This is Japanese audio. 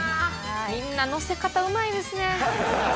みんなのせ方うまいですねずっと。